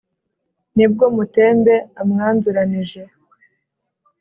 Ni bwo Mutembe amwanzuranije,